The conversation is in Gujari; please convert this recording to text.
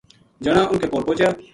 جنا اُنھ کے کول پوہچیا